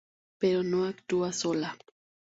Pero no actúa sola.